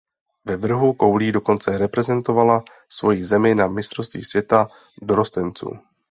Ve vrhu koulí dokonce reprezentovala svoji zemi na mistrovství světa dorostenců.